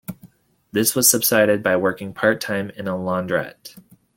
This was subsidised by working part-time in a laundrette.